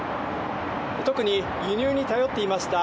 特に輸入に頼っていました